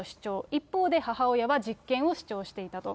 一方で、母親は実権を主張していたと。